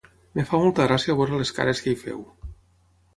Em fa molta gràcia veure les cares que hi feu.